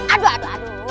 aduh aduh aduh